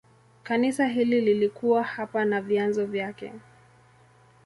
Kanisa hili lilikuwa hapa na vyanzo vyake.